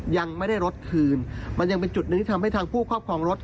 ยังไม่ได้รถคืนมันยังเป็นจุดหนึ่งที่ทำให้ทางผู้ครอบครองรถ